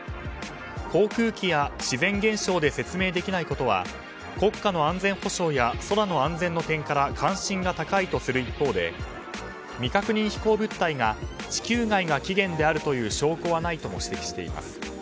航空機や自然現象で説明できないことは国家の安全保障や空の安全の点から関心が高いとする一方で未確認飛行物体が地球外が起源である証拠はないとも指摘しています。